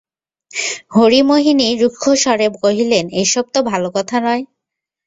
হরিমোহিনী রুক্ষ স্বরে কহিলেন, এ-সব তো ভালো কথা নয়।